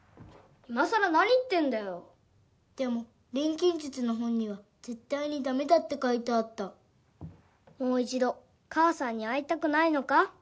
今さら何言ってんだよでも錬金術の本には絶対にダメだって書いてあったもう一度母さんに会いたくないのか？